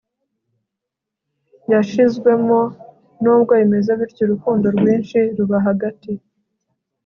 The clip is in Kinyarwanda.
yashizwemo. nubwo bimeze bityo, urukundo rwinshi ruba hagati